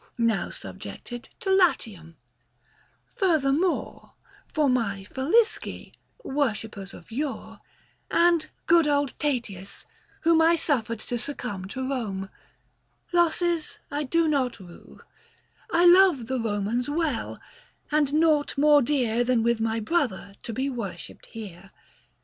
175 Now subjected to Latium ; furthermore, 55 For my Falisci, worshippers of yore ; And good old Tatius, whom I suffered to Succumb to Kome ; losses I do not rue — I love the Komans well, and nought more dear Than with my Brother to be worshipped here.